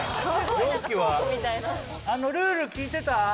ルール聞いてた？